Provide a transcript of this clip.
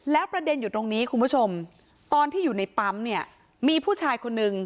แล้วประเด็นอยู่ตรงนี้คุณผู้ชมตอนที่อยู่ในปั๊มเนี่ยมีผู้ชายคนนึง